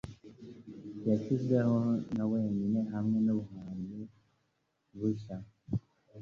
Yashizweho na wenyine hamwe nubuhanzi bushya-bwigaèd;